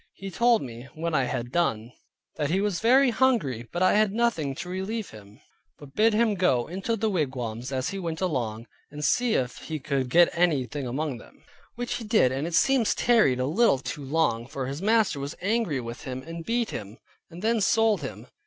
He told me, when I had done, that he was very hungry, but I had nothing to relieve him, but bid him go into the wigwams as he went along, and see if he could get any thing among them. Which he did, and it seems tarried a little too long; for his master was angry with him, and beat him, and then sold him.